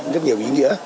rất nhiều ý nghĩa